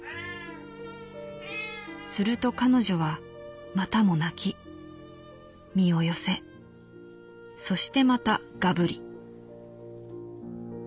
すると彼女はまたも啼き身を寄せそしてまたガブリ」。